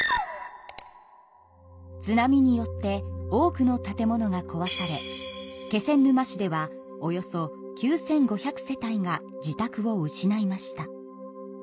津波によって多くの建物がこわされ気仙沼市ではおよそ９，５００世帯が自宅を失いました。